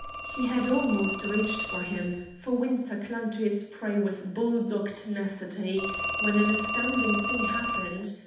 He had almost reached him, for Winter clung to his prey with bull dog tenacity, when an astounding thing happened.